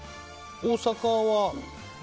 大阪は？